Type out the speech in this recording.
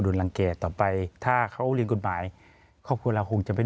ลังเกตต่อไปถ้าเขาเรียนกฎหมายครอบครัวเราคงจะไม่